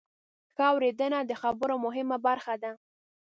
ښه اورېدنه د خبرو مهمه برخه ده.